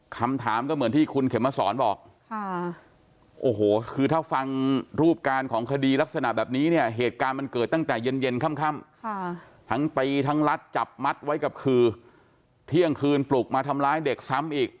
คำถามก็เหมือนที่คุณเข็มมาสอนบอกโอ้โหคือถ้าฟังรูปการณ์ของคดีลักษณะแบบนี้เนี่ยเหตุการณ์มันเกิดตั้งแต่เย็นค่ำทั้งตีทั้งรัดจับมัดไว้กับคือเที่ยงคืนปลุกมาทำร้ายเด็กซ้ำอีก